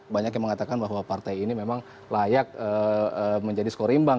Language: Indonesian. banyak yang mengatakan bahwa partai ini memang layak menjadi skor imbang